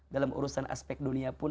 dalam urusan aspek dunia pun